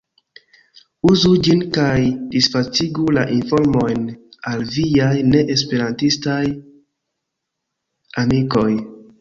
Uzu ĝin kaj disvastigu la informojn al viaj ne-esperantistaj amikoj.